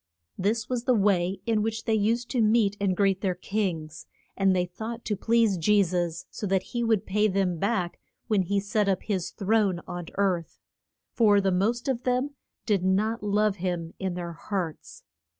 ] This was the way in which they used to meet and greet their kings, and they thought to please Je sus so that he would pay them back when he set up his throne on earth. For the most of them did not love him in their hearts.